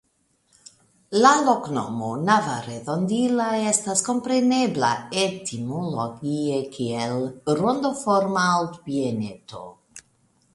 La loknomo "Navarredondilla" estas komprenebla etimologie kiel "Rondoforma Altbieneto".